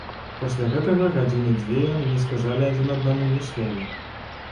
Пасля гэтага гадзіны дзве яны не сказалі адзін аднаму ні слова.